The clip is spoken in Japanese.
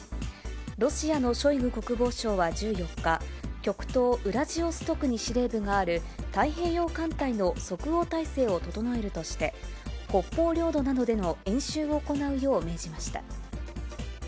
ロシアのショイグ国防相は１４日、極東ウラジオストクに司令部がある太平洋艦隊の即応態勢を整えるとして、北方領土での演習を行うよう命じました。